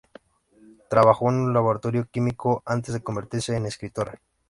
Trabajo en un laboratorio químico antes de convertirse en escritora.